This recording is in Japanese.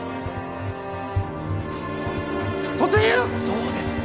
そうです。